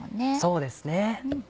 そうですね。